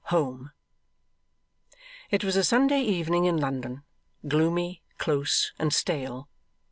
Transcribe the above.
Home It was a Sunday evening in London, gloomy, close, and stale.